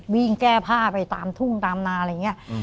แก้ผ้าไปตามทุ่งตามนาอะไรอย่างนี้